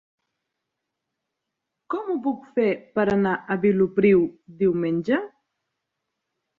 Com ho puc fer per anar a Vilopriu diumenge?